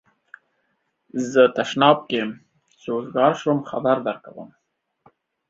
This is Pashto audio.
زه تشناب کی یم چی اوزګار شم خبر درکوم